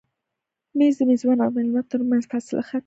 مېز د میزبان او مېلمه تر منځ فاصله ختموي.